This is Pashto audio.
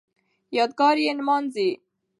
یادګار یې نمانځي